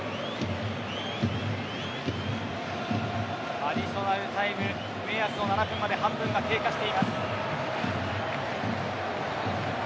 アディショナルタイム目安の７分まで半分が経過しています。